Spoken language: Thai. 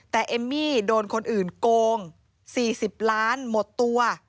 แต่เอมมี่โดนคนอื่นโกง๔๐ล้านหมดตัว